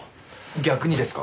逆にですか？